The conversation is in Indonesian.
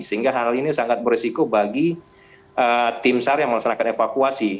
sehingga hal ini sangat berisiko bagi tim sar yang melaksanakan evakuasi